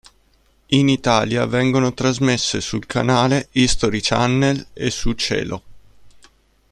In Italia vengono trasmesse sul canale History Channel e su Cielo.